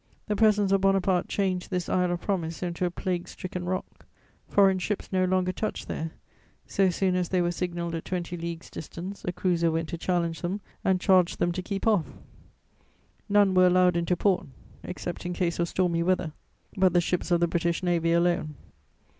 The presence of Bonaparte changed this isle of promise into a plague stricken rock: foreign ships no longer touched there; so soon as they were signalled at twenty leagues' distance, a cruiser went to challenge them and charged them to keep off: none were allowed into port, except in case of stormy weather, but the ships of the British Navy alone.